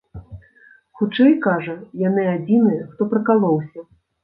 Хутчэй, кажа, яны адзіныя, хто пракалоўся.